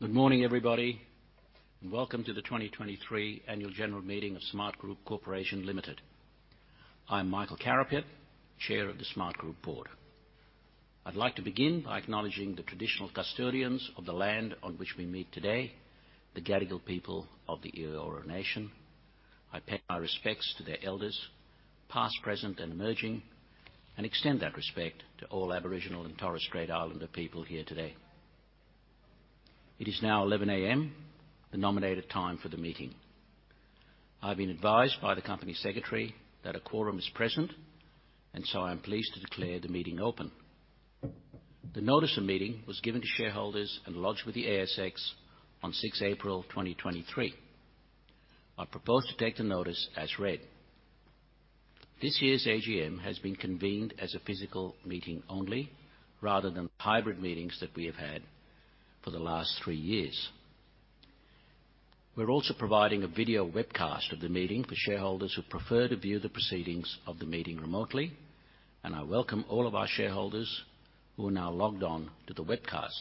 Good morning, everybody, welcome to the 2023 annual general meeting of Smartgroup Corporation Limited. I'm Michael Carapiet, Chair of the Smartgroup Board. I'd like to begin by acknowledging the traditional custodians of the land on which we meet today, the Gadigal people of the Eora Nation. I pay my respects to their elders, past, present, and emerging, and extend that respect to all Aboriginal and Torres Strait Islander people here today. It is now 11:00 A.M., the nominated time for the meeting. I've been advised by the Company Secretary that a quorum is present, I'm pleased to declare the meeting open. The notice of meeting was given to shareholders and lodged with the ASX on 6 April 2023. I propose to take the notice as read. This year's AGM has been convened as a physical meeting only, rather than hybrid meetings that we have had for the last three years. We're also providing a video webcast of the meeting for shareholders who prefer to view the proceedings of the meeting remotely, and I welcome all of our shareholders who are now logged on to the webcast.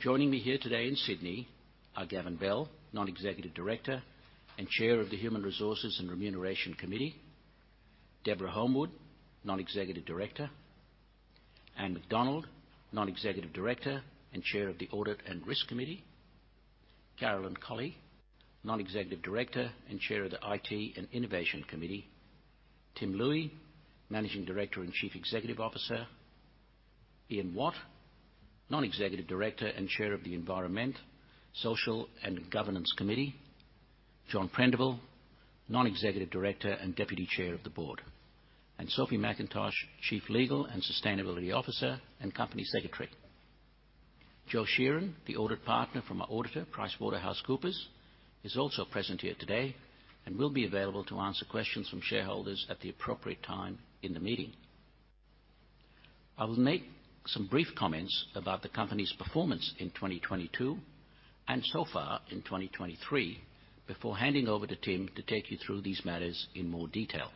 Joining me here today in Sydney are Gavin Bell, Non-Executive Director and Chair of the Human Resources and Remuneration Committee. Deborah Holmwood, Non-Executive Director. Anne McDonald, Non-Executive Director and Chair of the Audit and Risk Committee. Carolyn Colley, Non-Executive Director and Chair of the IT and Innovation Committee. Tim Looi, Managing Director and Chief Executive Officer. Ian Watt, Non-Executive Director and Chair of the Environment, Social, and Governance Committee. John Prendiville, Non-Executive Director and Deputy Chair of the Board. And Sophie MacIntosh, Chief Legal and Sustainability Officer and Company Secretary. Joe Sheeran, the Audit Partner from our auditor, PricewaterhouseCoopers, is also present here today and will be available to answer questions from shareholders at the appropriate time in the meeting. I will make some brief comments about the company's performance in 2022 and so far in 2023 before handing over to Tim to take you through these matters in more detail.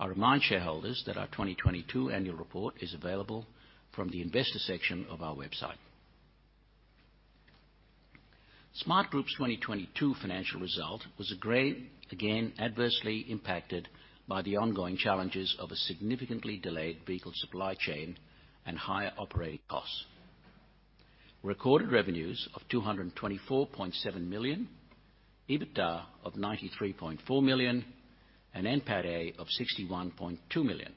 I remind shareholders that our 2022 annual report is available from the investor section of our website. Smartgroup's 2022 financial result was again adversely impacted by the ongoing challenges of a significantly delayed vehicle supply chain and higher operating costs. Recorded revenues of 224.7 million, EBITDA of 93.4 million, and NPATA of 61.2 million.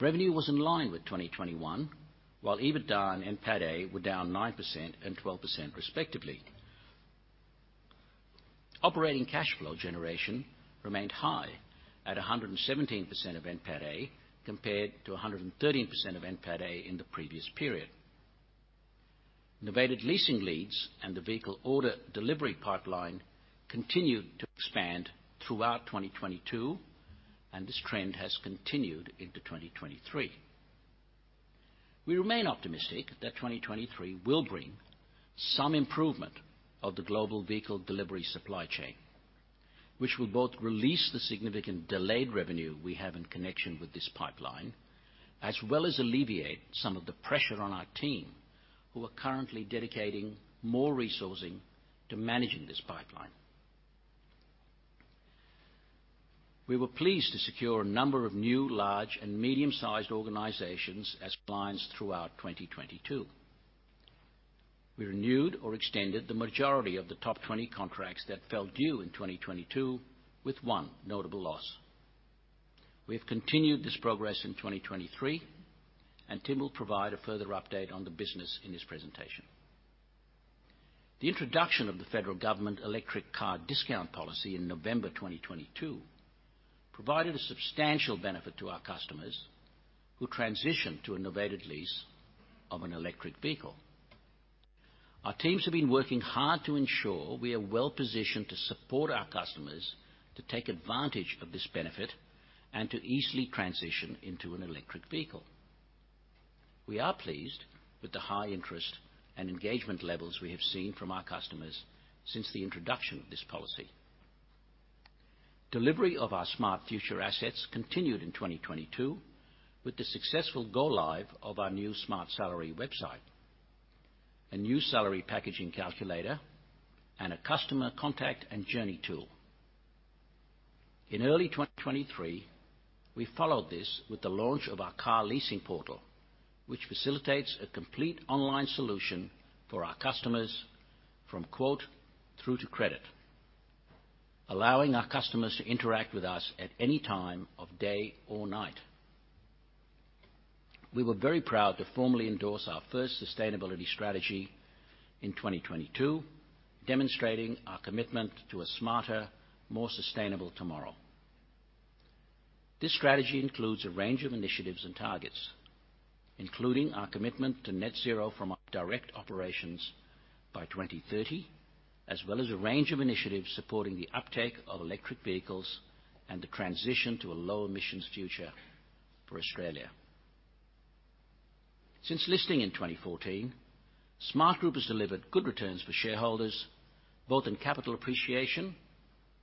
Revenue was in line with 2021, while EBITDA and NPATA were down 9% and 12% respectively. Operating cash flow generation remained high at 117% of NPATA compared to 113% of NPATA in the previous period. Novated leasing leads and the vehicle order delivery pipeline continued to expand throughout 2022, and this trend has continued into 2023. We remain optimistic that 2023 will bring some improvement of the global vehicle delivery supply chain, which will both release the significant delayed revenue we have in connection with this pipeline, as well as alleviate some of the pressure on our team, who are currently dedicating more resourcing to managing this pipeline. We were pleased to secure a number of new large and medium-sized organizations as clients throughout 2022. We renewed or extended the majority of the top 20 contracts that fell due in 2022 with one notable loss. We have continued this progress in 2023. Tim will provide a further update on the business in his presentation. The introduction of the federal government Electric Car Discount policy in November 2022 provided a substantial benefit to our customers who transitioned to a novated lease of an electric vehicle. Our teams have been working hard to ensure we are well-positioned to support our customers to take advantage of this benefit and to easily transition into an electric vehicle. We are pleased with the high interest and engagement levels we have seen from our customers since the introduction of this policy. Delivery of our Smart Future assets continued in 2022 with the successful go live of our new Smartsalary website, a new salary packaging calculator, and a customer contact and journey tool. In early 2023, we followed this with the launch of our Car Leasing Portal, which facilitates a complete online solution for our customers from quote through to credit, allowing our customers to interact with us at any time of day or night. We were very proud to formally endorse our first sustainability strategy in 2022, demonstrating our commitment to a smarter, more sustainable tomorrow. This strategy includes a range of initiatives and targets, including our commitment to net zero from our direct operations by 2030, as well as a range of initiatives supporting the uptake of electric vehicles and the transition to a low emissions future for Australia. Since listing in 2014, Smartgroup has delivered good returns for shareholders, both in capital appreciation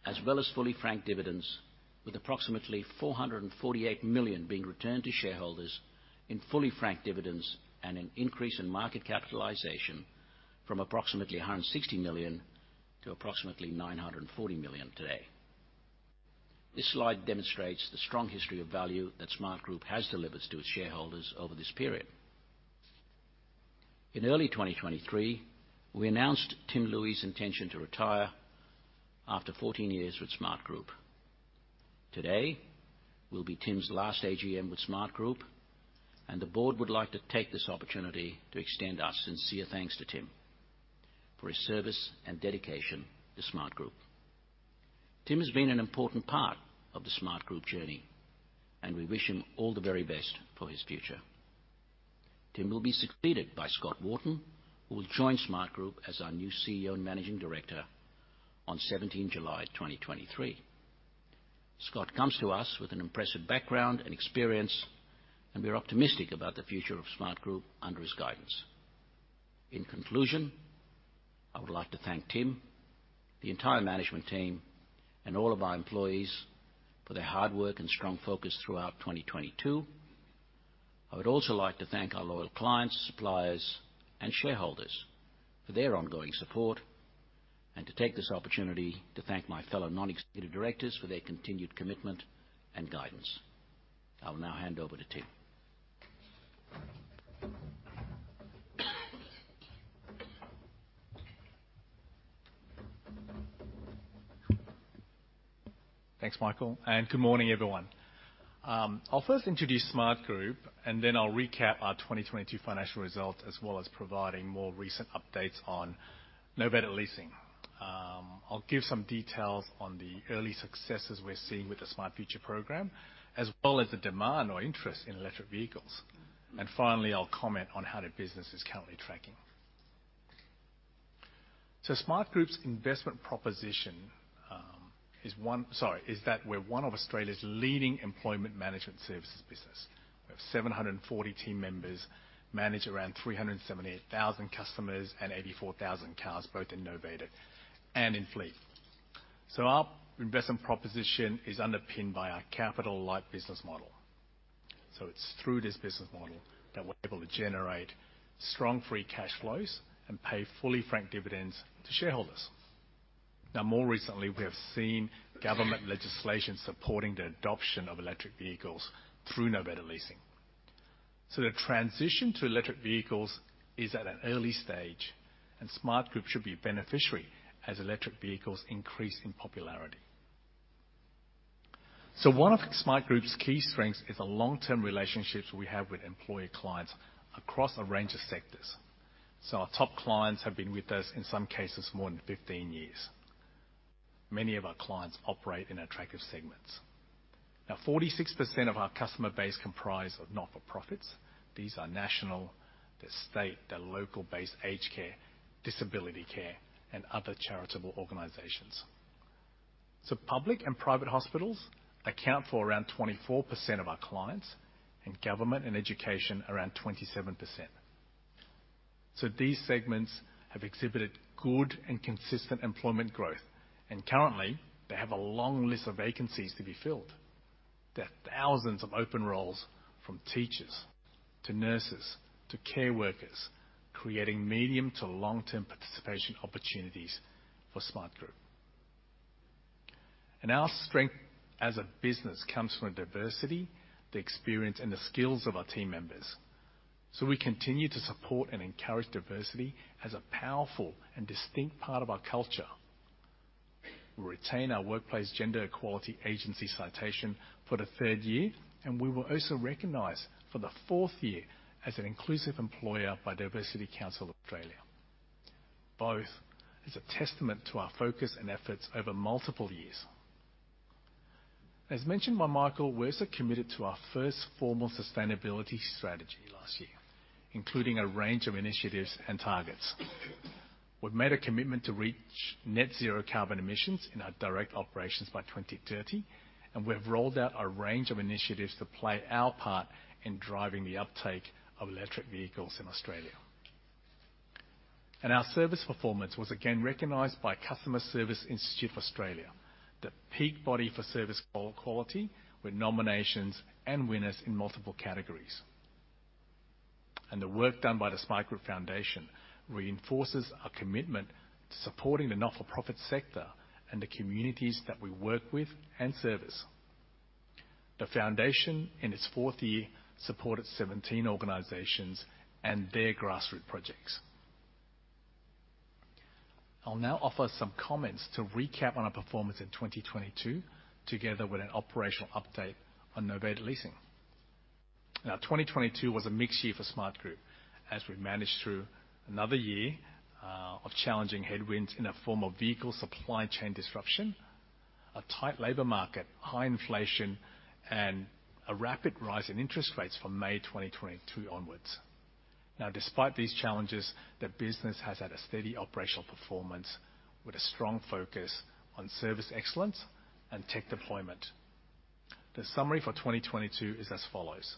as well as fully franked dividends with approximately 448 million being returned to shareholders in fully franked dividends and an increase in market capitalization from approximately 160 million to approximately 940 million today. This slide demonstrates the strong history of value that Smartgroup has delivered to its shareholders over this period. In early 2023, we announced Tim Looi's intention to retire after 14 years with Smartgroup. Today will be Tim's last AGM with Smartgroup, and the board would like to take this opportunity to extend our sincere thanks to Tim for his service and dedication to Smartgroup. Tim has been an important part of the Smartgroup journey, and we wish him all the very best for his future. Tim will be succeeded by Scott Wharton, who will join Smartgroup as our new CEO and Managing Director on 17 July 2023. Scott comes to us with an impressive background and experience. We are optimistic about the future of Smartgroup under his guidance. In conclusion, I would like to thank Tim, the entire management team, and all of our employees for their hard work and strong focus throughout 2022. I would also like to thank our loyal clients, suppliers, and shareholders for their ongoing support. To take this opportunity to thank my fellow non-executive directors for their continued commitment and guidance. I will now hand over to Tim. Thanks, Michael. Good morning, everyone. I'll first introduce Smartgroup, then I'll recap our 2022 financial results, as well as providing more recent updates on novated leasing. I'll give some details on the early successes we're seeing with the Smart Future program, as well as the demand or interest in electric vehicles. Finally, I'll comment on how the business is currently tracking. Smartgroup's investment proposition is that we're one of Australia's leading employment management services business. We have 740 team members, manage around 378,000 customers and 84,000 cars, both in novated and in fleet. Our investment proposition is underpinned by our capital light business model. It's through this business model that we're able to generate strong free cash flows and pay fully frank dividends to shareholders. Now, more recently, we have seen government legislation supporting the adoption of electric vehicles through novated leasing. The transition to electric vehicles is at an early stage, and Smartgroup should be a beneficiary as electric vehicles increase in popularity. One of Smartgroup's key strengths is a long-term relationships we have with employer clients across a range of sectors. Our top clients have been with us, in some cases, more than 15 years. Many of our clients operate in attractive segments. Now, 46% of our customer base comprise of not-for-profits. These are national, they're state, they're local-based, aged care, disability care, and other charitable organizations. Public and private hospitals account for around 24% of our clients, and government and education, around 27%. These segments have exhibited good and consistent employment growth, and currently, they have a long list of vacancies to be filled. There are thousands of open roles from teachers to nurses to care workers, creating medium to long-term participation opportunities for Smartgroup. Our strength as a business comes from the diversity, the experience, and the skills of our team members. We continue to support and encourage diversity as a powerful and distinct part of our culture. We retain our Workplace Gender Equality Agency citation for the third year, and we were also recognized for the fourth year as an inclusive employer by Diversity Council Australia. Both is a testament to our focus and efforts over multiple years. As mentioned by Michael, we're also committed to our first formal sustainability strategy last year, including a range of initiatives and targets. We've made a commitment to reach net zero carbon emissions in our direct operations by 2030, and we have rolled out a range of initiatives to play our part in driving the uptake of electric vehicles in Australia. Our service performance was again recognized by Customer Service Institute of Australia, the peak body for service call quality with nominations and winners in multiple categories. The work done by the Smartgroup Foundation reinforces our commitment to supporting the not-for-profit sector and the communities that we work with and service. The foundation in its fourth year, supported 17 organizations and their grassroots projects. I'll now offer some comments to recap on our performance in 2022 together with an operational update on novated leasing. 2022 was a mixed year for Smartgroup as we managed through another year of challenging headwinds in the form of vehicle supply chain disruption, a tight labor market, high inflation, and a rapid rise in interest rates from May 2022 onwards. Despite these challenges, the business has had a steady operational performance with a strong focus on service excellence and tech deployment. The summary for 2022 is as follows.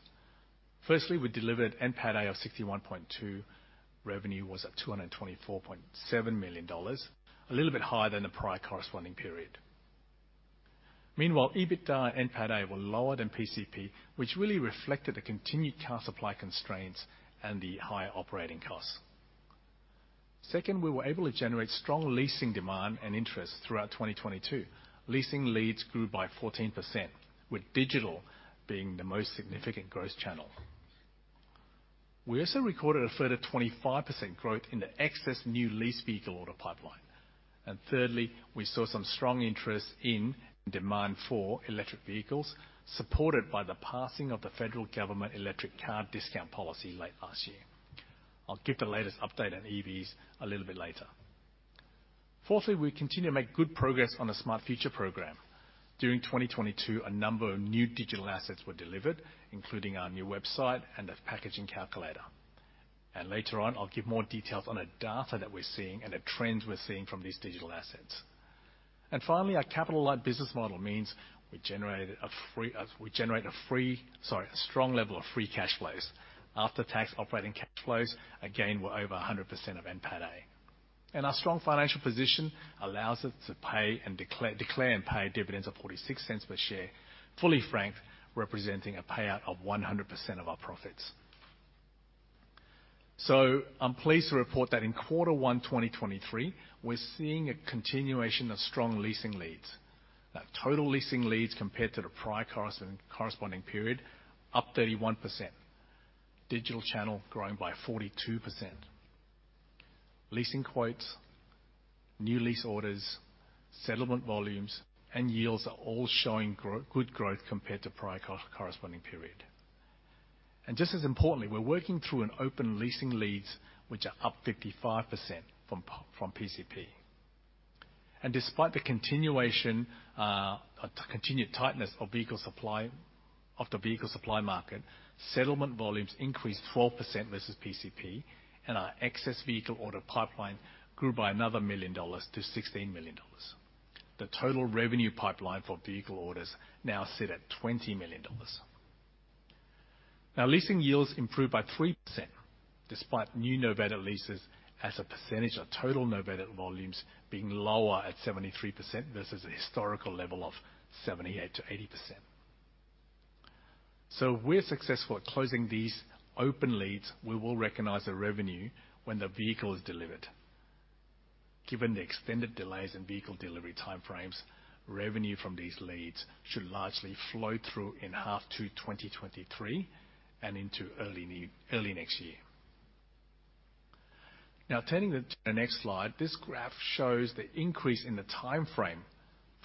Firstly, we delivered NPATA of 61.2. Revenue was at 224.7 million dollars, a little bit higher than the prior corresponding period. Meanwhile, EBITDA and NPATA were lower than PCP, which really reflected the continued car supply constraints and the higher operating costs. Second, we were able to generate strong leasing demand and interest throughout 2022. Leasing leads grew by 14%, with digital being the most significant growth channel. We also recorded a further 25% growth in the excess new lease vehicle order pipeline. Thirdly, we saw some strong interest in demand for electric vehicles, supported by the passing of the federal government Electric Car Discount policy late last year. I'll give the latest update on EVs a little bit later. Fourthly, we continue to make good progress on the Smart Future program. During 2022, a number of new digital assets were delivered, including our new website and the packaging calculator. Later on, I'll give more details on the data that we're seeing and the trends we're seeing from these digital assets. Finally, our capital-light business model means we generate a strong level of free cash flows. After-tax operating cash flows, again, were over 100% of NPATA. Our strong financial position allows us to declare and pay dividends of 0.46 per share, fully franked, representing a payout of 100% of our profits. I'm pleased to report that in quarter one, 2023, we're seeing a continuation of strong leasing leads. Total leasing leads compared to the prior corresponding period, up 31%. Digital channel growing by 42%. Leasing quotes, new lease orders, settlement volumes, and yields are all showing good growth compared to prior corresponding period. Just as importantly, we're working through open leasing leads, which are up 55% from PCP. Despite the continued tightness of the vehicle supply market, settlement volumes increased 12% versus PCP, and our excess vehicle order pipeline grew by another million australian dollar to 16 million dollars. The total revenue pipeline for vehicle orders now sit at 20 million dollars. Leasing yields improved by 3% despite new novated leases as a percentage of total novated volumes being lower at 73% versus the historical level of 78%-80%. If we're successful at closing these open leads, we will recognize the revenue when the vehicle is delivered. Given the extended delays in vehicle delivery time frames, revenue from these leads should largely flow through in half two, 2023, and into early next year. Turning to the next slide, this graph shows the increase in the time frame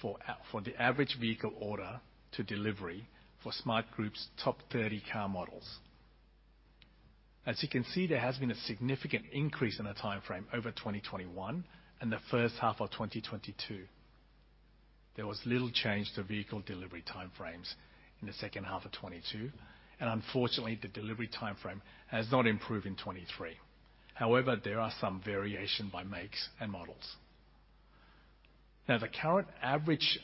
for the average vehicle order to delivery for Smartgroup's top 30 car models. As you can see, there has been a significant increase in the time frame over 2021 and the first half of 2022. There was little change to vehicle delivery time frames in the second half of 2022. Unfortunately, the delivery time frame has not improved in 2023. However, there are some variation by makes and models. The current average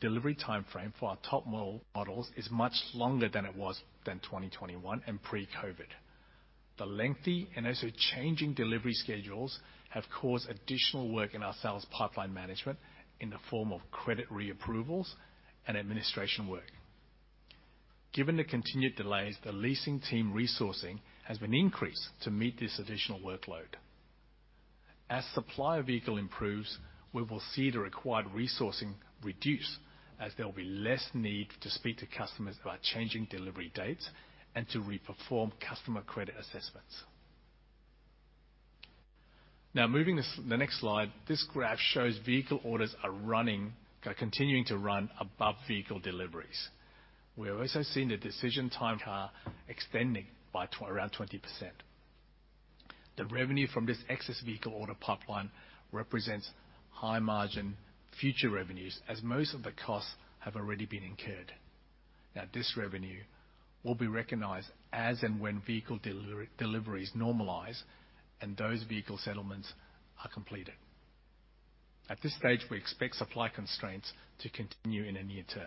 delivery time frame for our top models is much longer than it was than 2021 and pre-COVID. The lengthy and also changing delivery schedules have caused additional work in our sales pipeline management in the form of credit reapprovals and administration work. Given the continued delays, the leasing team resourcing has been increased to meet this additional workload. As supply of vehicle improves, we will see the required resourcing reduce as there will be less need to speak to customers about changing delivery dates and to reperform customer credit assessments. Moving to the next slide, this graph shows vehicle orders are continuing to run above vehicle deliveries. We are also seeing the decision time car extending by around 20%. The revenue from this excess vehicle order pipeline represents high-margin future revenues, as most of the costs have already been incurred. This revenue will be recognized as and when vehicle deliveries normalize and those vehicle settlements are completed. At this stage, we expect supply constraints to continue in the near term.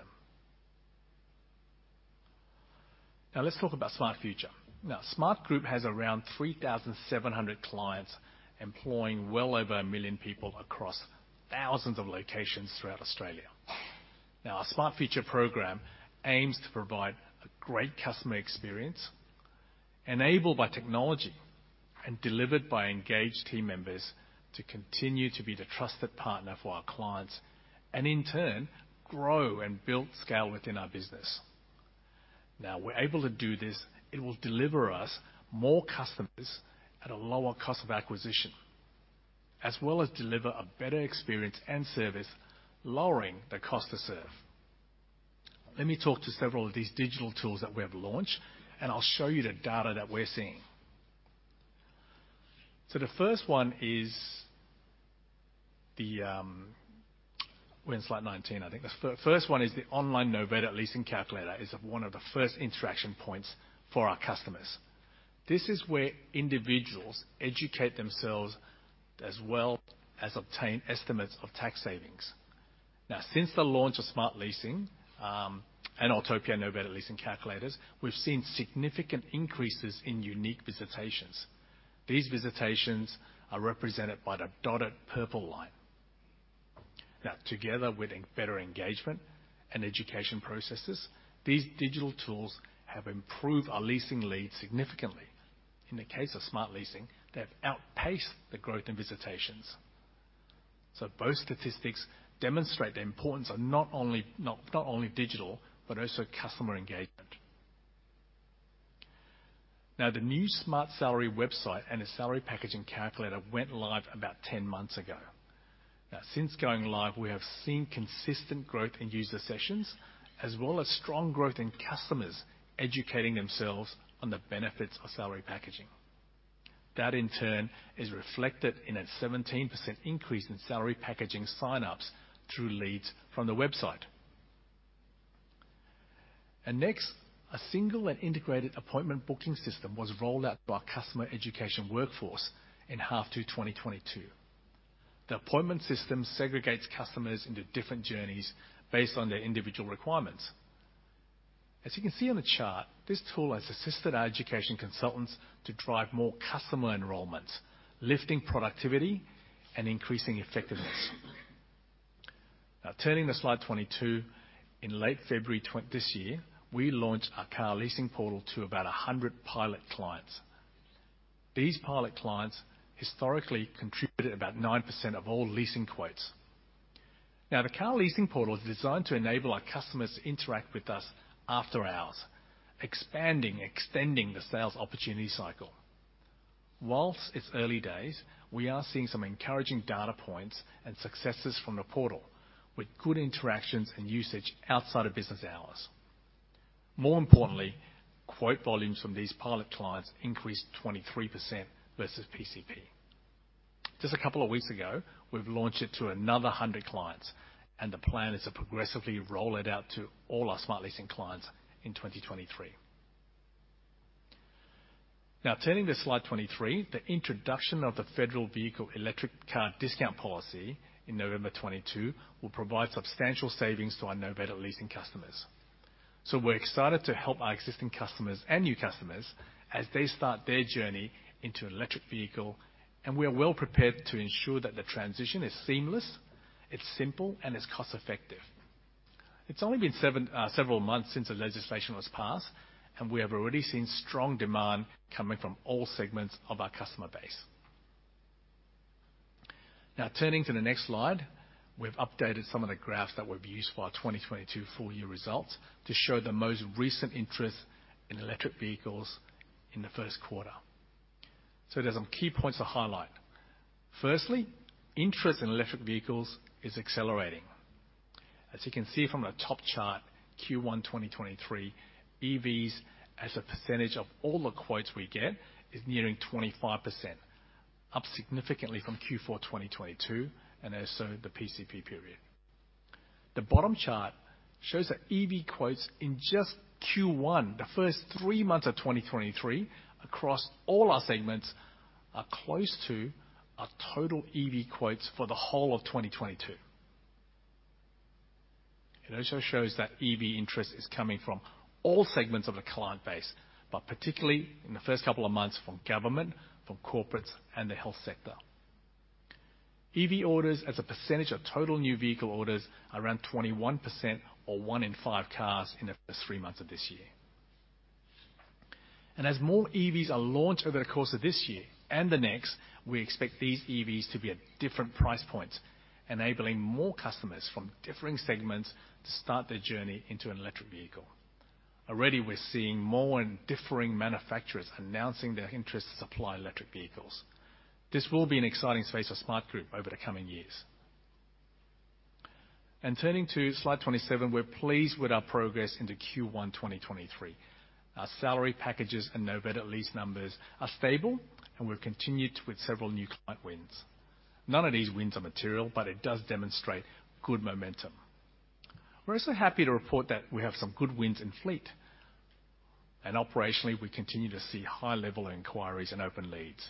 Let's talk about Smart Future. Smartgroup has around 3,700 clients employing well over a million people across thousands of locations throughout Australia. Our Smart Future program aims to provide a great customer experience enabled by technology and delivered by engaged team members to continue to be the trusted partner for our clients and, in turn, grow and build scale within our business. We're able to do this, it will deliver us more customers at a lower cost of acquisition, as well as deliver a better experience and service, lowering the cost to serve. Let me talk to several of these digital tools that we have launched, and I'll show you the data that we're seeing. We're in slide 19, I think. The first one is the online novated leasing calculator, is one of the first interaction points for our customers. This is where individuals educate themselves as well as obtain estimates of tax savings. Since the launch of Smart Leasing and Autopia Novated Leasing calculators, we've seen significant increases in unique visitations. These visitations are represented by the dotted purple line. Together with a better engagement and education processes, these digital tools have improved our leasing leads significantly. In the case of Smart Leasing, they have outpaced the growth in visitations. Both statistics demonstrate the importance of not only digital, but also customer engagement. The new Smart Salary website and a salary packaging calculator went live about 10 months ago. Since going live, we have seen consistent growth in user sessions, as well as strong growth in customers educating themselves on the benefits of salary packaging. That, in turn, is reflected in a 17% increase in salary packaging sign-ups through leads from the website. Next, a single and integrated appointment booking system was rolled out to our customer education workforce in half 2 2022. The appointment system segregates customers into different journeys based on their individual requirements. As you can see on the chart, this tool has assisted our education consultants to drive more customer enrollments, lifting productivity and increasing effectiveness. Now, turning to slide 22. In late February this year, we launched our Car Leasing Portal to about 100 pilot clients. These pilot clients historically contributed about 9% of all leasing quotes. Now, the Car Leasing Portal is designed to enable our customers to interact with us after hours, expanding, extending the sales opportunity cycle. Whilst it's early days, we are seeing some encouraging data points and successes from the portal, with good interactions and usage outside of business hours. More importantly, quote volumes from these pilot clients increased 23% versus PCP. Just a couple of weeks ago, we've launched it to another 100 clients. The plan is to progressively roll it out to all our Smartleasing clients in 2023. Turning to slide 23. The introduction of the federal Electric Car Discount in November 2022 will provide substantial savings to our novated leasing customers. We're excited to help our existing customers and new customers as they start their journey into an electric vehicle. We are well-prepared to ensure that the transition is seamless, it's simple, and it's cost-effective. It's only been several months since the legislation was passed. We have already seen strong demand coming from all segments of our customer base. Turning to the next slide, we've updated some of the graphs that we've used for our 2022 full year results to show the most recent interest in electric vehicles in the first quarter. There's some key points to highlight. Firstly, interest in electric vehicles is accelerating. As you can see from the top chart, Q1 2023, EVs as a percentage of all the quotes we get is nearing 25%, up significantly from Q4 2022, and as so the PCP period. The bottom chart shows that EV quotes in just Q1, the first three months of 2023, across all our segments, are close to our total EV quotes for the whole of 2022. It also shows that EV interest is coming from all segments of the client base, but particularly in the first couple of months from government, from corporates, and the health sector. EV orders as a percentage of total new vehicle orders are around 21% or 1 in 5 cars in the first three months of this year. As more EVs are launched over the course of this year and the next, we expect these EVs to be at different price points, enabling more customers from differing segments to start their journey into an electric vehicle. Already, we're seeing more and differing manufacturers announcing their interest to supply electric vehicles. This will be an exciting space for Smartgroup over the coming years. Turning to slide 27, we're pleased with our progress into Q1 2023. Our salary packages and novated lease numbers are stable, and we've continued with several new client wins. None of these wins are material, but it does demonstrate good momentum. We're also happy to report that we have some good wins in fleet. Operationally, we continue to see high-level inquiries and open leads.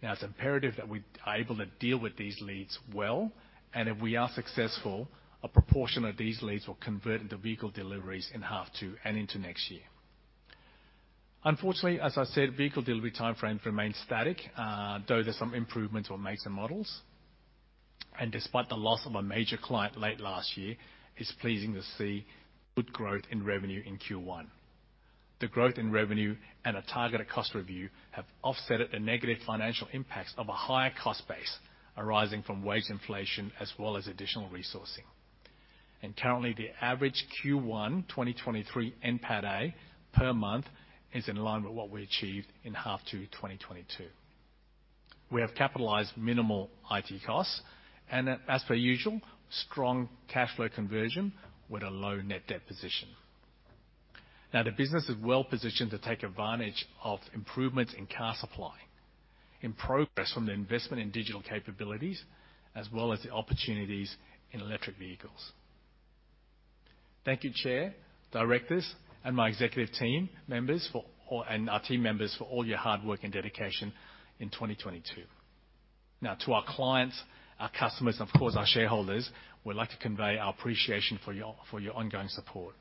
It's imperative that we are able to deal with these leads well, and if we are successful, a proportion of these leads will convert into vehicle deliveries in half 2 and into next year. Unfortunately, as I said, vehicle delivery timeframe remains static, though there's some improvement on makes and models. Despite the loss of a major client late last year, it's pleasing to see good growth in revenue in Q1. The growth in revenue and a targeted cost review have offsetted the negative financial impacts of a higher cost base arising from wage inflation as well as additional resourcing. Currently, the average Q1 2023 NPATA per month is in line with what we achieved in half 2 2022. We have capitalized minimal IT costs, and as per usual, strong cash flow conversion with a low net debt position. The business is well-positioned to take advantage of improvements in car supply, in progress from the investment in digital capabilities, as well as the opportunities in electric vehicles. Thank you, Chair, Directors, and my executive team members for and our team members for all your hard work and dedication in 2022. To our clients, our customers, and of course, our shareholders, we'd like to convey our appreciation for your ongoing support.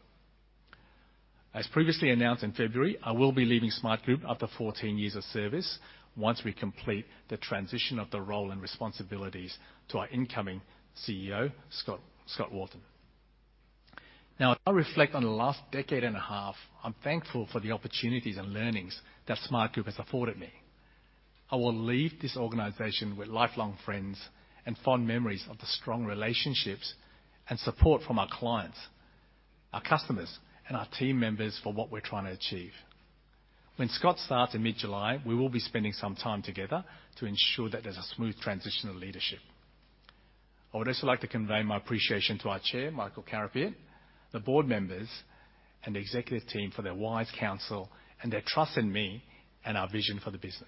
As previously announced in February, I will be leaving Smartgroup after 14 years of service once we complete the transition of the role and responsibilities to our incoming CEO, Scott Wharton. As I reflect on the last decade and a half, I'm thankful for the opportunities and learnings that Smartgroup has afforded me. I will leave this organization with lifelong friends and fond memories of the strong relationships and support from our clients, our customers, and our team members for what we're trying to achieve. When Scott Wharton starts in mid-July, we will be spending some time together to ensure that there's a smooth transition of leadership. I would also like to convey my appreciation to our Chair, Michael Carapiet, the board members, and the executive team for their wise counsel and their trust in me and our vision for the business.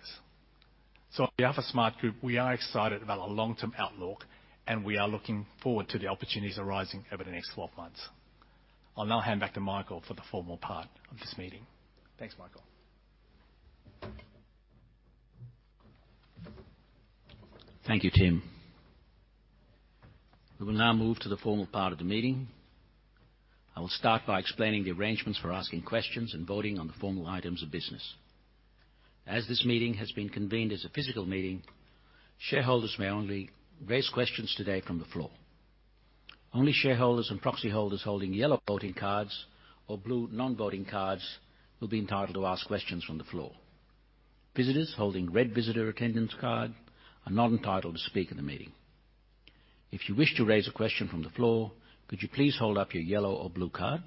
On behalf of Smartgroup, we are excited about our long-term outlook, and we are looking forward to the opportunities arising over the next 12 months. I'll now hand back to Michael for the formal part of this meeting. Thanks, Michael. Thank you, Tim. We will now move to the formal part of the meeting. I will start by explaining the arrangements for asking questions and voting on the formal items of business. As this meeting has been convened as a physical meeting, shareholders may only raise questions today from the floor. Only shareholders and proxy holders holding yellow voting cards or blue non-voting cards will be entitled to ask questions from the floor. Visitors holding red visitor attendance card are not entitled to speak in the meeting. If you wish to raise a question from the floor, could you please hold up your yellow or blue card?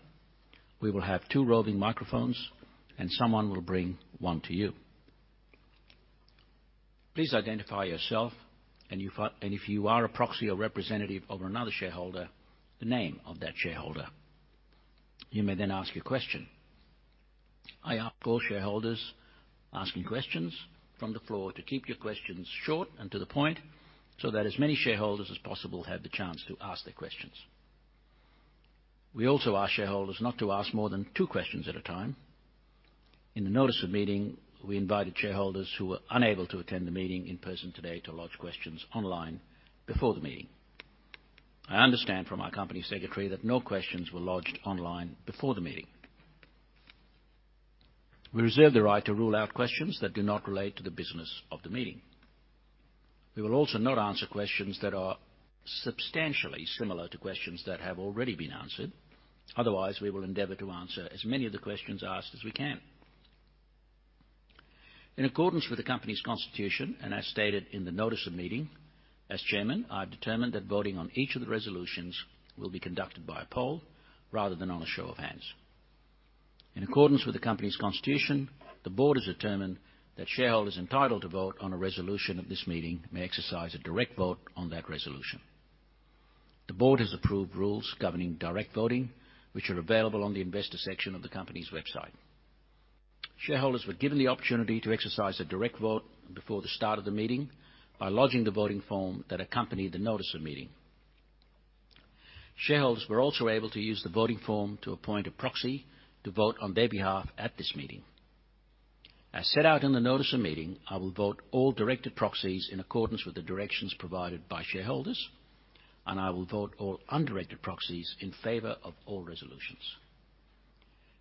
We will have two roving microphones and someone will bring one to you. Please identify yourself and if you are a proxy or representative of another shareholder, the name of that shareholder. You may ask your question. I ask all shareholders asking questions from the floor to keep your questions short and to the point, so that as many shareholders as possible have the chance to ask their questions. We also ask shareholders not to ask more than 2 questions at a time. In the notice of meeting, we invited shareholders who were unable to attend the meeting in person today to lodge questions online before the meeting. I understand from our Company Secretary that no questions were lodged online before the meeting. We reserve the right to rule out questions that do not relate to the business of the meeting. We will also not answer questions that are substantially similar to questions that have already been answered. Otherwise, we will endeavor to answer as many of the questions asked as we can. In accordance with the company's constitution and as stated in the notice of meeting, as chairman, I've determined that voting on each of the resolutions will be conducted by a poll rather than on a show of hands. In accordance with the company's constitution, the board has determined that shareholders entitled to vote on a resolution at this meeting may exercise a direct vote on that resolution. The board has approved rules governing direct voting, which are available on the investor section of the company's website. Shareholders were given the opportunity to exercise a direct vote before the start of the meeting by lodging the voting form that accompanied the notice of meeting. Shareholders were also able to use the voting form to appoint a proxy to vote on their behalf at this meeting. As set out in the notice of meeting, I will vote all directed proxies in accordance with the directions provided by shareholders, and I will vote all undirected proxies in favor of all resolutions.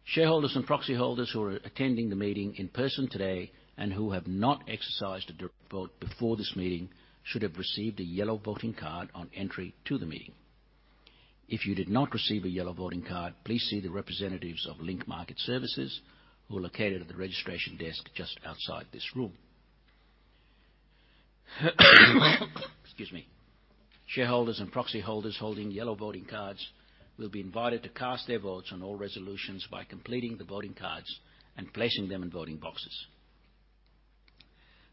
Shareholders and proxy holders who are attending the meeting in person today and who have not exercised a direct vote before this meeting should have received a yellow voting card on entry to the meeting. If you did not receive a yellow voting card, please see the representatives of Link Market Services who are located at the registration desk just outside this room. Excuse me. Shareholders and proxy holders holding yellow voting cards will be invited to cast their votes on all resolutions by completing the voting cards and placing them in voting boxes.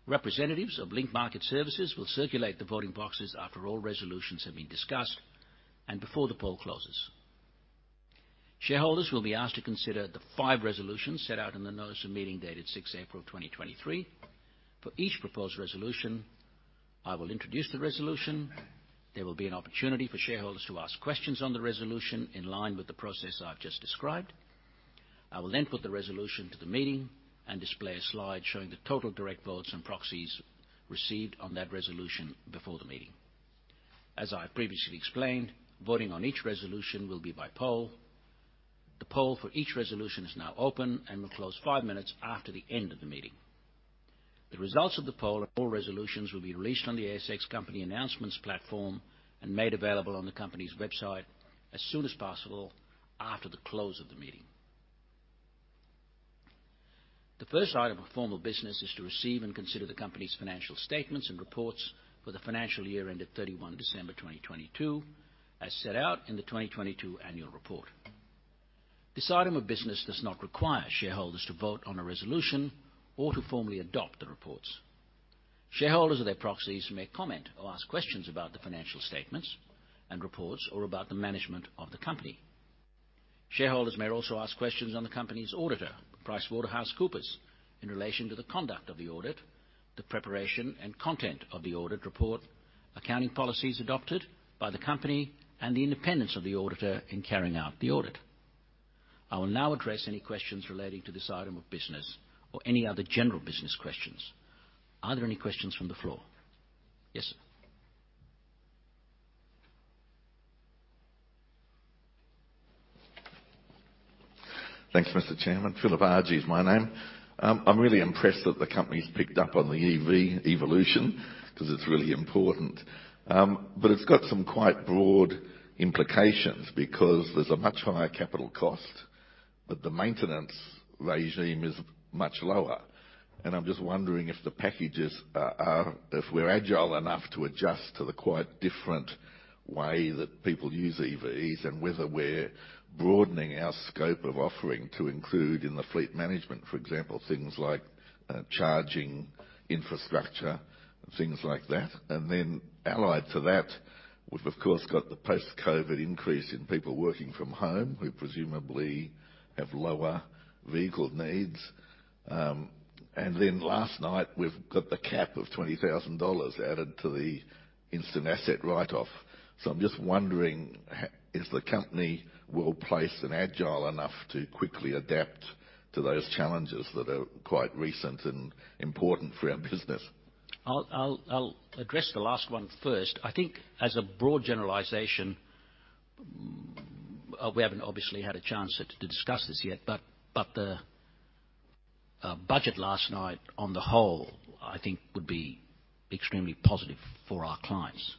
Representatives of Link Market Services will circulate the voting boxes after all resolutions have been discussed and before the poll closes. Shareholders will be asked to consider the five resolutions set out in the notice of meeting dated 6th April 2023. For each proposed resolution, I will introduce the resolution. There will be an opportunity for shareholders to ask questions on the resolution in line with the process I've just described. I will put the resolution to the meeting and display a slide showing the total direct votes and proxies received on that resolution before the meeting. As I previously explained, voting on each resolution will be by poll. The poll for each resolution is now open and will close five minutes after the end of the meeting. The results of the poll on all resolutions will be released on the ASX company announcements platform and made available on the company's website as soon as possible after the close of the meeting. The first item of formal business is to receive and consider the company's financial statements and reports for the financial year ended 31 December 2022 as set out in the 2022 annual report. This item of business does not require shareholders to vote on a resolution or to formally adopt the reports. Shareholders or their proxies may comment or ask questions about the financial statements and reports or about the management of the company. Shareholders may also ask questions on the company's auditor, PricewaterhouseCoopers, in relation to the conduct of the audit. The preparation and content of the audit report, accounting policies adopted by the Company, and the independence of the auditor in carrying out the audit. I will now address any questions relating to this item of business or any other general business questions. Are there any questions from the floor? Yes, sir. Thanks, Mr. Chairman. Philip Argy is my name. I'm really impressed that the company's picked up on the EV evolution 'cause it's really important. But it's got some quite broad implications because there's a much higher capital cost, but the maintenance regime is much lower. I'm just wondering if the packages are agile enough to adjust to the quite different way that people use EVs and whether we're broadening our scope of offering to include in the fleet management, for example, things like charging infrastructure and things like that. Then allied to that, we've of course got the post-COVID increase in people working from home, who presumably have lower vehicle needs. Then last night, we've got the cap of 20,000 dollars added to the instant asset write-off. I'm just wondering, is the company well-placed and agile enough to quickly adapt to those challenges that are quite recent and important for our business? I'll address the last one first. I think as a broad generalization, we haven't obviously had a chance to discuss this yet, but the budget last night on the whole I think would be extremely positive for our clients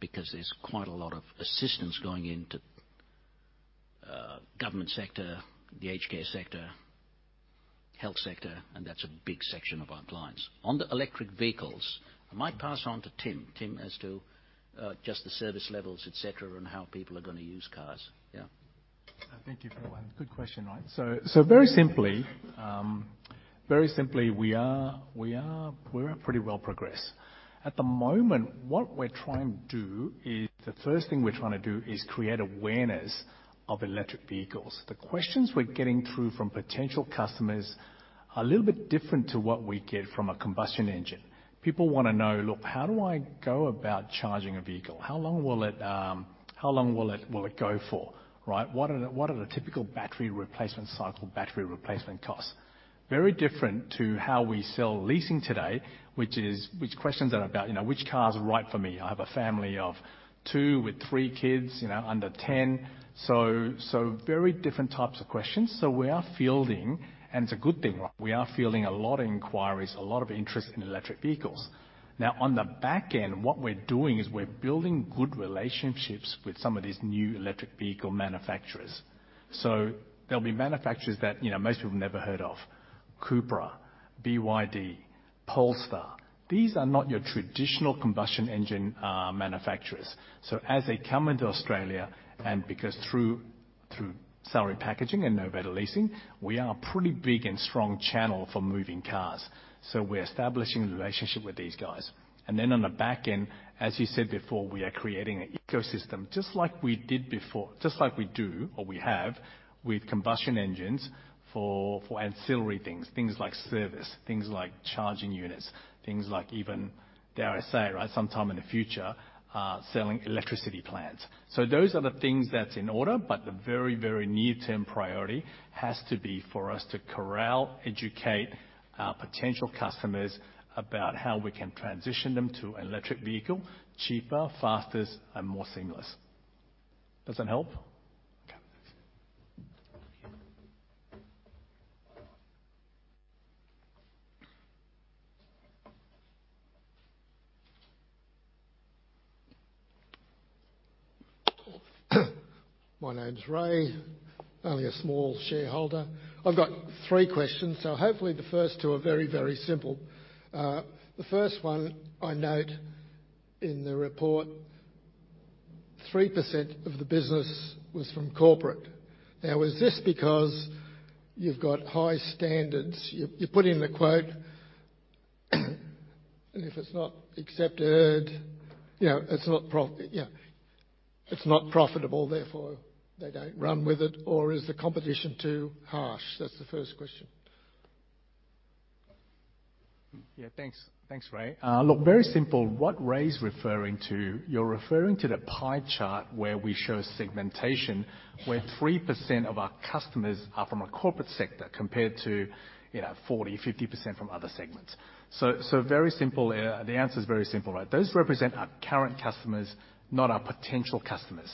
because there's quite a lot of assistance going into government sector, the aged care sector, health sector, and that's a big section of our clients. On the electric vehicles, I might pass on to Tim as to just the service levels, et cetera, and how people are gonna use cars. Yeah. Thank you, Philip. Good question, right. Very simply, we are pretty well progressed. The first thing we're trying to do is create awareness of electric vehicles. The questions we're getting through from potential customers are a little bit different to what we get from a combustion engine. People wanna know, "Look, how do I go about charging a vehicle? How long will it go for?" Right? "What are the typical battery replacement cycle, battery replacement costs?" Which questions are about, you know, "Which car is right for me? I have a family of two with three kids, you know, under 10." Very different types of questions. We are fielding, and it's a good thing, right? We are fielding a lot of inquiries, a lot of interest in electric vehicles. On the back end, what we're doing is we're building good relationships with some of these new electric vehicle manufacturers. There'll be manufacturers that, you know, most people have never heard of: CUPRA, BYD, Polestar. These are not your traditional combustion engine manufacturers. As they come into Australia and because through salary packaging and novated leasing, we are a pretty big and strong channel for moving cars. We're establishing a relationship with these guys. Then on the back end, as you said before, we are creating an ecosystem just like we did before, just like we do or we have with combustion engines for ancillary things. Things like service, things like charging units, things like even, dare I say, right, sometime in the future, selling electricity plans. Those are the things that's in order, but the very, very near-term priority has to be for us to corral, educate our potential customers about how we can transition them to an electric vehicle cheaper, faster, and more seamless. Does that help? Okay, thanks. Thank you. My name's Ray. Only a small shareholder. I've got three questions. Hopefully the first two are very, very simple. The first one I note in the report, 3% of the business was from corporate. Is this because you've got high standards? You put in a quote, and if it's not accepted, you know, it's not profitable, therefore they don't run with it. Or is the competition too harsh? That's the first question. Yeah, thanks. Thanks, Ray. Look, very simple. What Ray's referring to, you're referring to the pie chart where we show segmentation, where 3% of our customers are from a corporate sector compared to, you know, 40%, 50% from other segments. So very simple. The answer is very simple, right? Those represent our current customers, not our potential customers.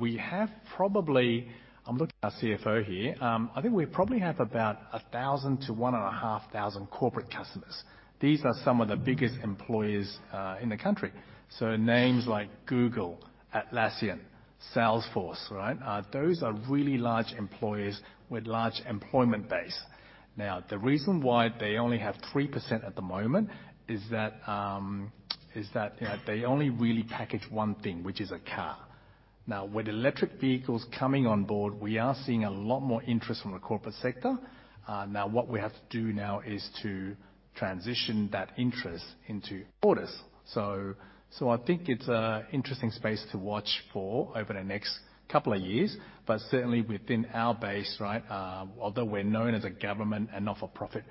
We have probably... I'm looking at our CFO here. I think we probably have about 1,000 to 1,500 corporate customers. These are some of the biggest employers in the country. Names like Google, Atlassian, Salesforce, right? Those are really large employers with large employment base. Now, the reason why they only have 3% at the moment is that, you know, they only really package one thing, which is a car. With electric vehicles coming on board, we are seeing a lot more interest from the corporate sector. What we have to do now is to transition that interest into orders. I think it's an interesting space to watch for over the next couple of years. Certainly within our base, right, although we're known as a government and not-for-profit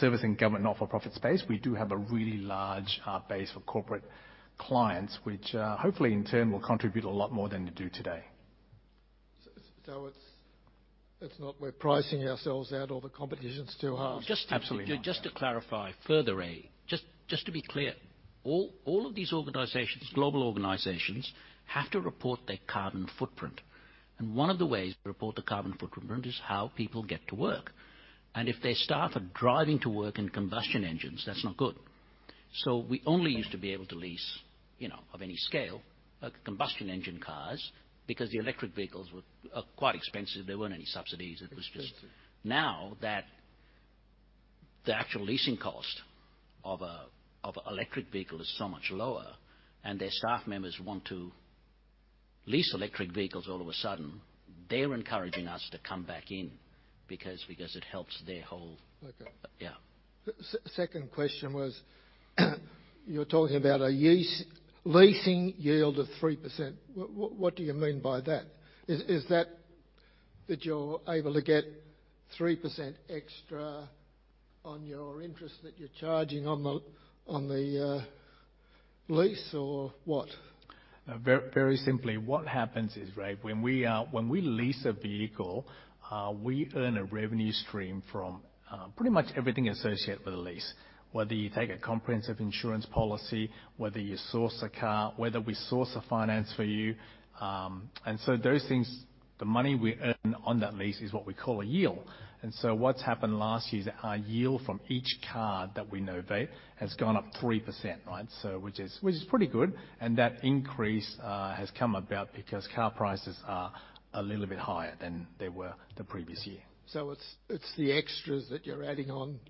servicing government not-for-profit space. We do have a really large base of corporate clients, which hopefully in turn will contribute a lot more than they do today. It's not we're pricing ourselves out or the competition's too hard? Absolutely not. Just to clarify further, Ray. Just to be clear. All of these organizations, global organizations, have to report their carbon footprint. One of the ways to report the carbon footprint is how people get to work. If their staff are driving to work in combustion engines, that's not good. We only used to be able to lease, you know, of any scale, combustion engine cars because the electric vehicles were quite expensive. There weren't any subsidies. It was just. Exactly. Now that the actual leasing cost of electric vehicle is so much lower and their staff members want to lease electric vehicles all of a sudden, they're encouraging us to come back in because it helps their. Okay. Yeah. Second question was you're talking about a leasing yield of 3%. What do you mean by that? Is that you're able to get 3% extra on your interest that you're charging on the lease or what? Very simply, what happens is, Ray, when we lease a vehicle, we earn a revenue stream from pretty much everything associated with the lease. Whether you take a comprehensive insurance policy, whether you source a car, whether we source a finance for you. Those things, the money we earn on that lease is what we call a yield. What's happened last year is that our yield from each car that we novate has gone up 3%, right? Which is pretty good. That increase has come about because car prices are a little bit higher than they were the previous year. It's the extras that you're adding on?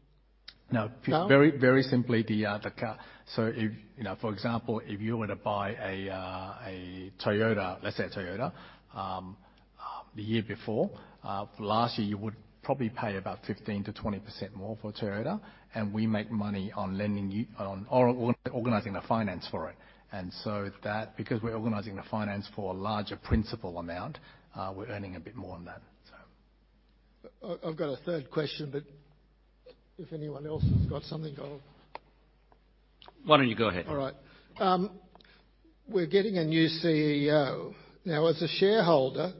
No. No? Very simply the car. You know, for example, if you were to buy a Toyota, let's say a Toyota, the year before last year, you would probably pay about 15%-20% more for a Toyota. We make money on lending you on organizing the finance for it. That, because we're organizing the finance for a larger principal amount, we're earning a bit more on that. I've got a third question, but if anyone else has got something, I'll Why don't you go ahead? All right. We're getting a new CEO. As a shareholder,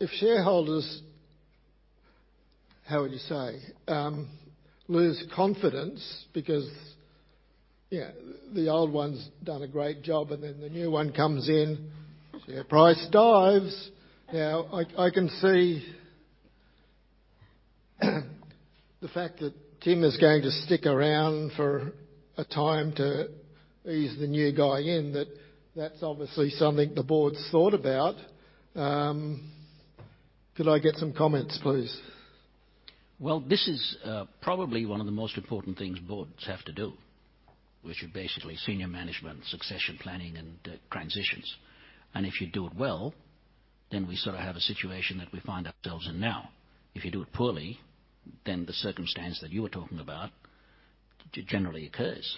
if shareholders, how would you say, lose confidence because, you know, the old one's done a great job the new one comes in, share price dives. I can see, the fact that Tim Looi is going to stick around for a time to ease the new guy in, that that's obviously something the board's thought about. Could I get some comments, please? Well, this is probably one of the most important things boards have to do, which is basically senior management, succession planning and transitions. If you do it well, then we sort of have a situation that we find ourselves in now. If you do it poorly, then the circumstance that you were talking about generally occurs.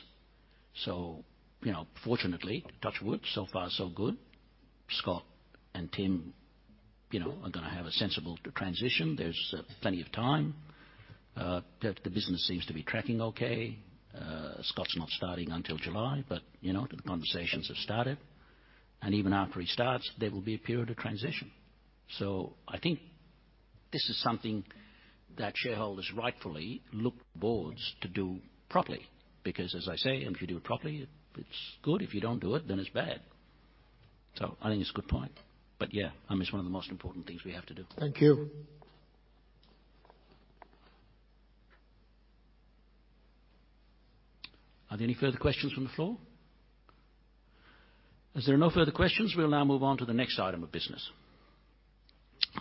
You know, fortunately, touch wood, so far so good. Scott and Tim, you know, are gonna have a sensible transition. There's plenty of time. The business seems to be tracking okay. Scott's not starting until July, but, you know, the conversations have started. Even after he starts, there will be a period of transition. I think this is something that shareholders rightfully look to boards to do properly, because as I say, if you do it properly, it's good. If you don't do it, then it's bad. I think it's a good point. Yeah, I mean, it's one of the most important things we have to do. Thank you. Are there any further questions from the floor? As there are no further questions, we'll now move on to the next item of business.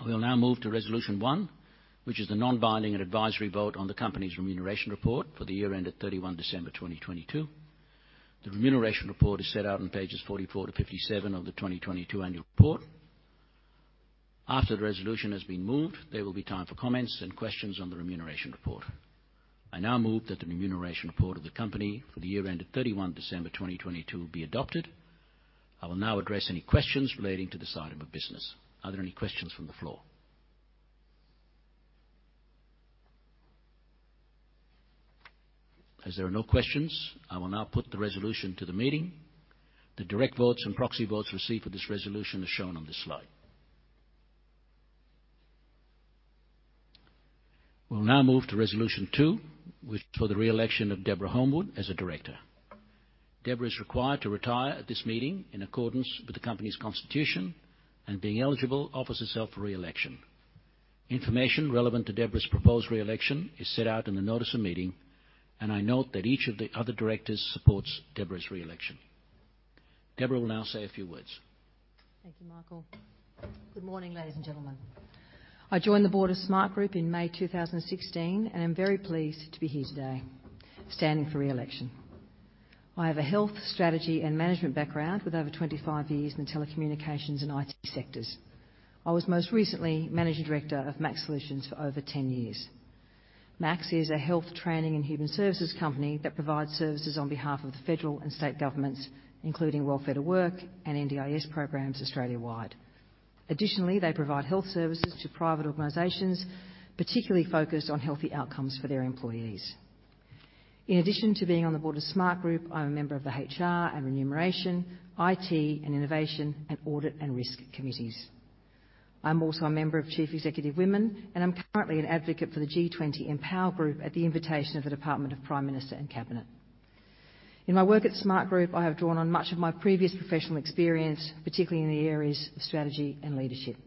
We'll now move to Resolution One, which is the non-binding and advisory vote on the company's remuneration report for the year end of 31 December 2022. The remuneration report is set out on pages 44 to 57 of the 2022 annual report. After the resolution has been moved, there will be time for comments and questions on the remuneration report. I now move that the remuneration report of the company for the year end of 31 December 2022 be adopted. I will now address any questions relating to this item of business. Are there any questions from the floor? As there are no questions, I will now put the resolution to the meeting. The direct votes and proxy votes received for this resolution are shown on this slide. We'll now move to Resolution Two, which is for the re-election of Deborah Holmwood as a director. Deborah is required to retire at this meeting in accordance with the company's constitution and being eligible offers herself for re-election. Information relevant to Deborah's proposed re-election is set out in the notice of meeting. I note that each of the other directors supports Deborah's re-election. Deborah will now say a few words. Thank you, Michael. Good morning, ladies and gentlemen. I joined the board of Smartgroup in May 2016. I'm very pleased to be here today standing for re-election. I have a health, strategy, and management background with over 25 years in the telecommunications and IT sectors. I was most recently managing director of MAX Solutions for over 10 years. MAX is a health training and human services company that provides services on behalf of the federal and state governments, including Welfare to Work and NDIS programs Australia-wide. Additionally, they provide health services to private organizations, particularly focused on healthy outcomes for their employees. In addition to being on the board of Smartgroup, I'm a member of the HR and Remuneration, IT and Innovation, and Audit and Risk committees. I'm also a member of Chief Executive Women, and I'm currently an advocate for the G20 EMPOWER Alliance at the invitation of the Department of the Prime Minister and Cabinet. In my work at Smartgroup, I have drawn on much of my previous professional experience, particularly in the areas of strategy and leadership.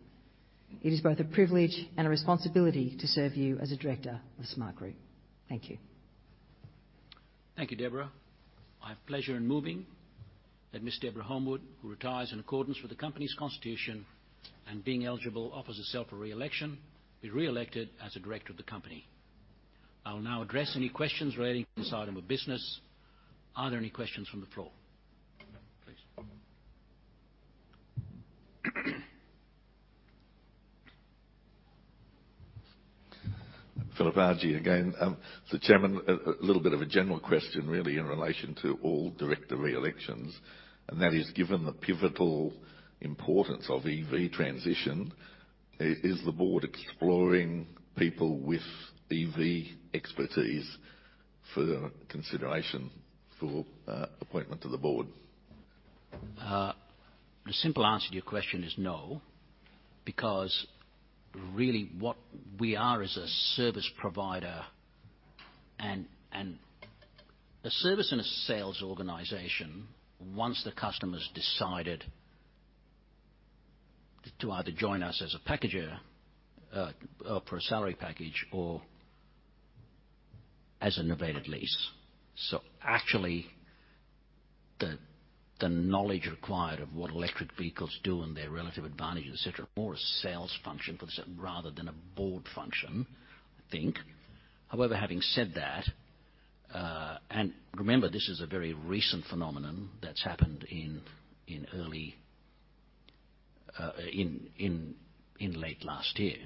It is both a privilege and a responsibility to serve you as a director of Smartgroup. Thank you. Thank you, Deborah. I have pleasure in moving that Ms. Deborah Holmwood, who retires in accordance with the company's constitution and being eligible, offers herself for re-election, be re-elected as a director of the company. I will now address any questions relating to this item of business. Are there any questions from the floor? Please. Philip Argy again. Chairman, a little bit of a general question really in relation to all director reelections, and that is, given the pivotal importance of EV transition, is the board exploring people with EV expertise for consideration for appointment to the board? The simple answer to your question is no, because really what we are is a service provider and a service and a sales organization once the customer's decided to either join us as a packager or for a salary package or as a novated lease. Actually, the knowledge required of what electric vehicles do and their relative advantage, et cetera, more a sales function for this rather than a board function, I think. However, having said that, and remember, this is a very recent phenomenon that's happened in early, in late last year.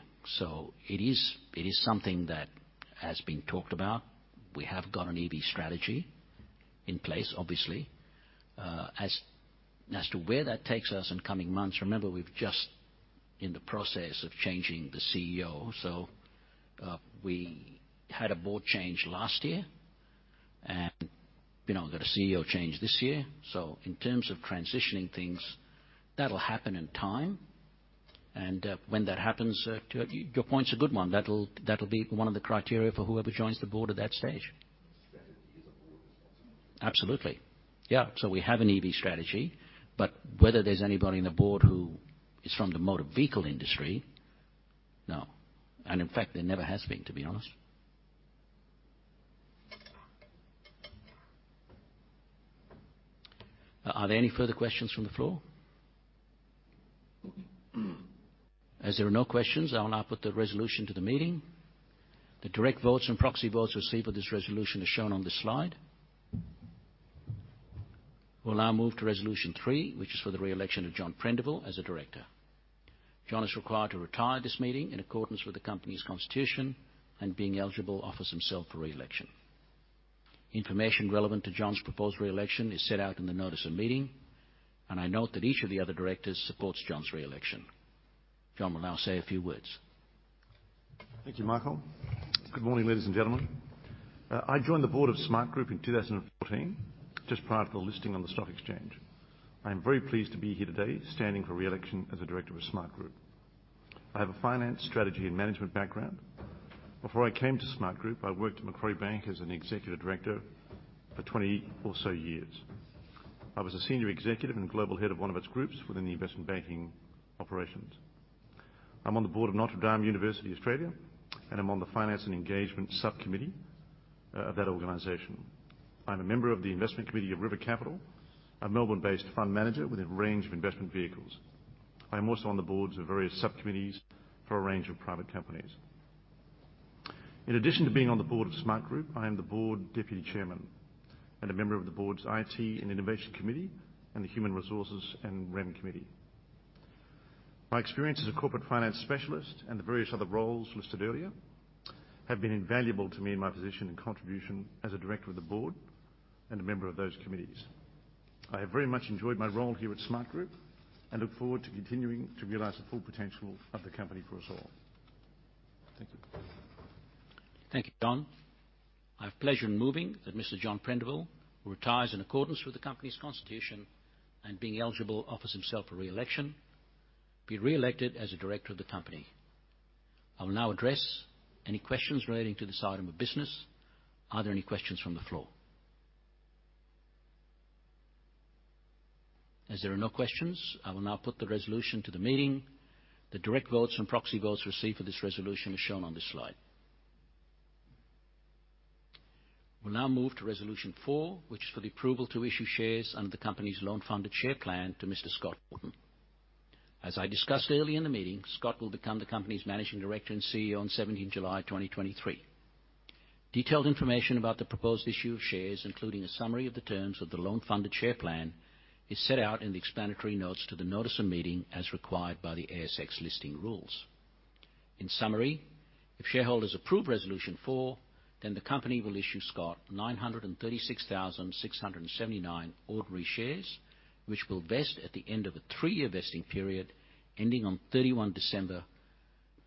It is something that has been talked about. We have got an EV strategy in place, obviously. As to where that takes us in coming months, remember, we've just in the process of changing the CEO. We had a board change last year and, you know, got a CEO change this year. In terms of transitioning things, that'll happen in time. When that happens, your point's a good one. That'll be one of the criteria for whoever joins the board at that stage. Strategy is a board responsibility. Absolutely. Yeah. We have an EV strategy, but whether there's anybody on the Board who is from the motor vehicle industry, no. In fact, there never has been, to be honest. Are there any further questions from the floor? As there are no questions, I will now put the resolution to the meeting. The direct votes and proxy votes received for this resolution is shown on this slide. We'll now move to Resolution Three, which is for the reelection of John Prendiville as a director. John is required to retire this meeting in accordance with the company's constitution and being eligible offers himself for reelection. Information relevant to John's proposed reelection is set out in the notice of meeting, and I note that each of the other directors supports John's reelection. John will now say a few words. Thank you, Michael. Good morning, ladies and gentlemen. I joined the board of Smartgroup in 2014, just prior to the listing on the stock exchange. I am very pleased to be here today standing for reelection as a director of Smartgroup. I have a finance strategy and management background. Before I came to Smartgroup, I worked at Macquarie Bank as an executive director for 20 or so years. I was a senior executive and global head of one of its groups within the investment banking operations. I'm on the board of University of Notre Dame Australia, and I'm on the Finance and Engagement subcommittee of that organization. I'm a member of the investment committee of River Capital, a Melbourne-based fund manager with a range of investment vehicles. I'm also on the boards of various subcommittees for a range of private companies. In addition to being on the board of Smartgroup, I am the Board Deputy Chairman and a member of the board's IT and Innovation Committee and the Human Resources and Rem Committee. My experience as a corporate finance specialist and the various other roles listed earlier have been invaluable to me in my position and contribution as a director of the board and a member of those committees. I have very much enjoyed my role here at Smartgroup and look forward to continuing to realize the full potential of the company for us all. Thank you. Thank you, John. I have pleasure in moving that Mr. John Prendiville, who retires in accordance with the company's constitution and being eligible offers himself for reelection, be reelected as a director of the company. I will now address any questions relating to this item of business. Are there any questions from the floor? There are no questions, I will now put the resolution to the meeting. The direct votes and proxy votes received for this resolution is shown on this slide. We'll now move to Resolution Four, which is for the approval to issue shares under the company's loan funded share plan to Mr. Scott Wharton. I discussed earlier in the meeting, Scott will become the company's Managing Director and CEO on seventeenth July 2023. Detailed information about the proposed issue of shares, including a summary of the terms of the loan funded share plan, is set out in the explanatory notes to the notice of meeting as required by the ASX Listing Rules. In summary, if shareholders approve Resolution Four, the company will issue Scott 936,679 ordinary shares, which will vest at the end of a three-year vesting period ending on 31 December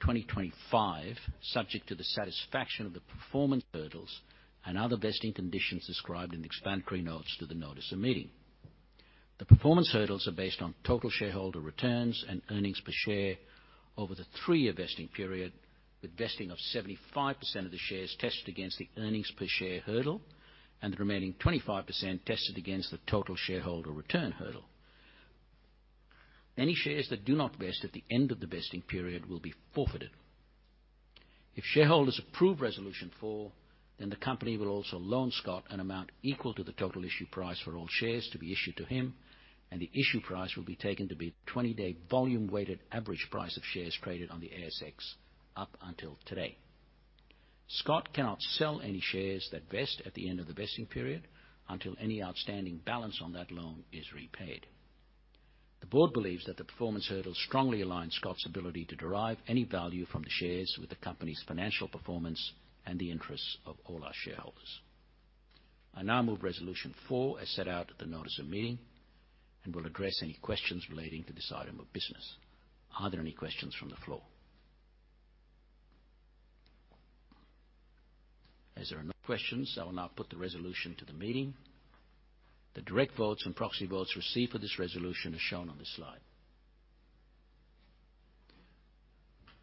2025, subject to the satisfaction of the performance hurdles and other vesting conditions described in the explanatory notes to the notice of meeting. The performance hurdles are based on total shareholder return and earnings per share over the three-year vesting period, with vesting of 75% of the shares tested against the earnings per share hurdle and the remaining 25% tested against the total shareholder return hurdle. Any shares that do not vest at the end of the vesting period will be forfeited. If shareholders approve Resolution Four, the company will also loan Scott an amount equal to the total issue price for all shares to be issued to him, and the issue price will be taken to be the 20-day volume weighted average price of shares traded on the ASX up until today. Scott cannot sell any shares that vest at the end of the vesting period until any outstanding balance on that loan is repaid. The board believes that the performance hurdle strongly aligns Scott's ability to derive any value from the shares with the company's financial performance and the interests of all our shareholders. I now move Resolution Four as set out at the notice of meeting and will address any questions relating to this item of business. Are there any questions from the floor? There are no questions, I will now put the resolution to the meeting. The direct votes and proxy votes received for this resolution are shown on this slide.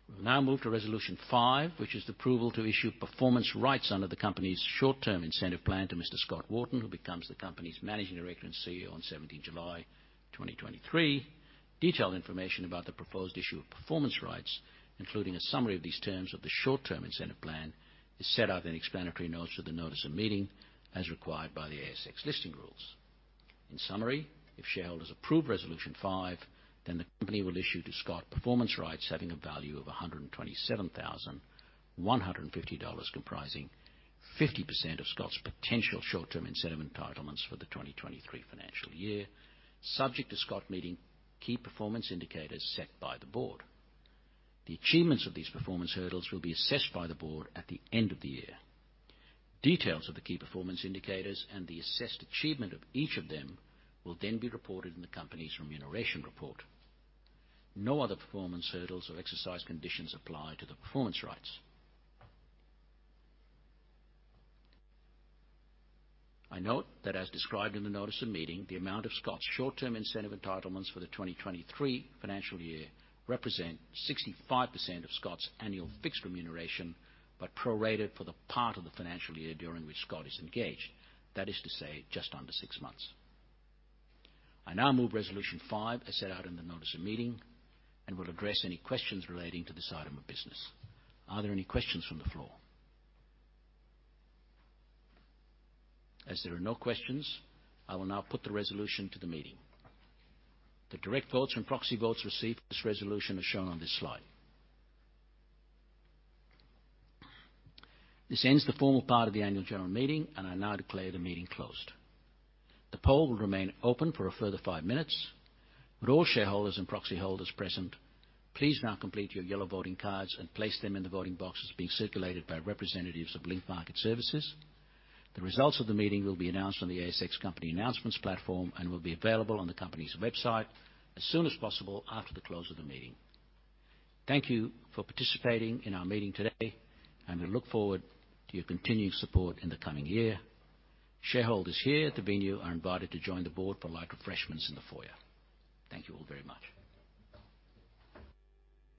We'll now move to Resolution Five, which is the approval to issue performance rights under the company's short-term incentive plan to Mr. Scott Wharton, who becomes the company's Managing Director and CEO on seventeenth July 2023. Detailed information about the proposed issue of performance rights, including a summary of these terms of the short-term incentive plan, is set out in explanatory notes to the notice of meeting, as required by the ASX Listing Rules. In summary, if shareholders approve Resolution Five, then the company will issue to Scott performance rights having a value of 127,150 dollars, comprising 50% of Scott's potential short-term incentive entitlements for the 2023 financial year, subject to Scott meeting key performance indicators set by the board. The achievements of these performance hurdles will be assessed by the board at the end of the year. Details of the key performance indicators and the assessed achievement of each of them will then be reported in the company's remuneration report. No other performance hurdles or exercise conditions apply to the performance rights. I note that as described in the notice of meeting, the amount of Scott's short-term incentive entitlements for the 2023 financial year represent 65% of Scott's annual fixed remuneration, but prorated for the part of the financial year during which Scott is engaged. That is to say, just under six months. I now move Resolution Five as set out in the notice of meeting and will address any questions relating to this item of business. Are there any questions from the floor? As there are no questions, I will now put the resolution to the meeting. The direct votes and proxy votes received for this resolution are shown on this slide. This ends the formal part of the annual general meeting, and I now declare the meeting closed. The poll will remain open for a further five minutes. Would all shareholders and proxy holders present please now complete your yellow voting cards and place them in the voting boxes being circulated by representatives of Link Market Services. The results of the meeting will be announced on the ASX Company Announcements platform and will be available on the company's website as soon as possible after the close of the meeting. Thank you for participating in our meeting today, and we look forward to your continuing support in the coming year. Shareholders here at the venue are invited to join the board for light refreshments in the foyer. Thank you all very much.